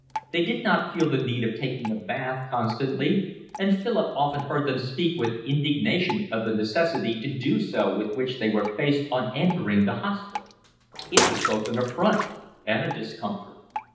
They did not feel the need of taking a bath constantly, and Philip often heard them speak with indignation of the necessity to do so with which they were faced on entering the hospital: it was both an affront and a discomfort.